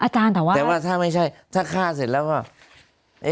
แต่ว่าถ้าไม่ใช่ถ้าค่าเสร็จแล้วก็